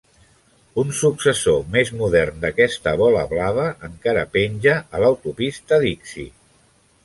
Un successor més modern d'aquesta bola blava encara penja a l'autopista Dixie.